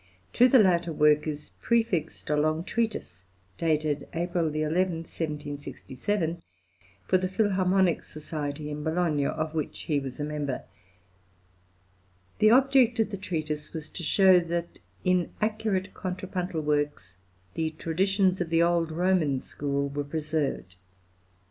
To the latter work is prefixed a long treatise (dated April 11, 1767) for the Philharmonic Society in Bologna, of which he was a member; the object of the treatise was to show that in accurate contrapuntal works the traditions of the old Roman school were preserved.